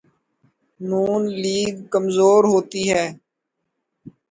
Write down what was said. ن لیگ کمزور ہوتی ہے۔